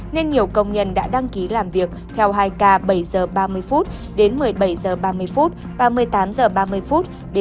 nên nhiều công nhân đã đăng ký làm việc theo hai ca bảy h ba mươi một mươi bảy h ba mươi ba mươi tám h ba mươi sáu h ba mươi hôm sau